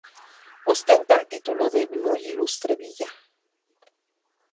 Ostenta el título de "Muy Ilustre Villa".